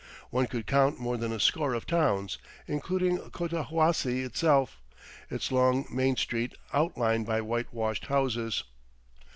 One could count more than a score of towns, including Cotahuasi itself, its long main street outlined by whitewashed houses.